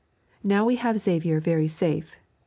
Now we have Xavier very safe.